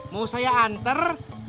mau saya anter